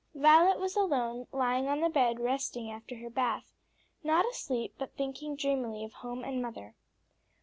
_ Violet was alone, lying on the bed, resting after her bath, not asleep, but thinking dreamily of home and mother.